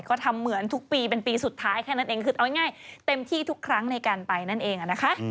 ก็ทำเหมือนทุกปีเป็นปีสุดท้ายแค่นั้นเองคือเอาง่ายเต็มที่ทุกครั้งในการไปนั่นเองนะคะ